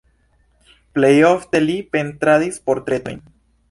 Plej ofte li pentradis portretojn.